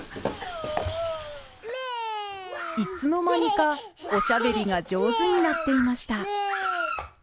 いつの間にかおしゃべりが上手になっていました。